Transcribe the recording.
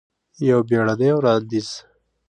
یو بیړنې وړاندیز!